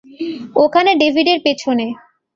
ওখানে, ডেভিডের পেছনে।